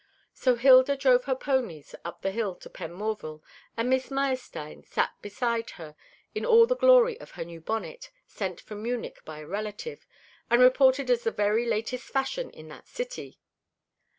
So Hilda drove her ponies up the hill to Penmorval, and Miss Meyerstein sat beside her in all the glory of her new bonnet, sent from Munich by a relative, and reported as the very latest fashion in that city.